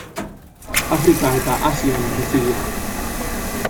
Afrika eta Asian bizi dira.